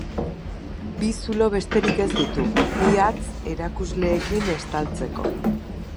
Bi zulo besterik ez ditu, bi hatz erakusleekin estaltzeko.